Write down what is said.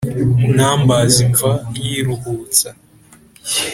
numbersmva yiruhutsa